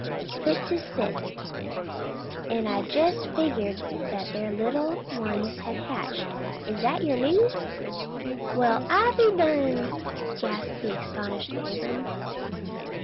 fit to split; an' I jest figured that their little ones had hatched. Is that your news?" "Well I be durned!" gasped the astonished Abram.